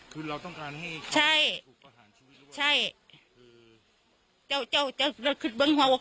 คือเราต้องการให้เขารูปประหารชีวิตใช่ไหม